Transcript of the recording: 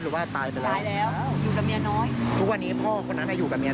ว่าตายไปแล้วตายแล้วอยู่กับเมียน้อยทุกวันนี้พ่อคนนั้นอ่ะอยู่กับเมีย